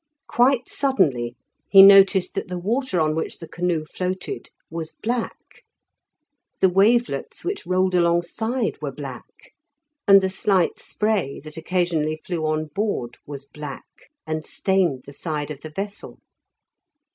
Quite suddenly he noticed that the water on which the canoe floated was black. The wavelets which rolled alongside were black, and the slight spray that occasionally flew on board was black, and stained the side of the vessel.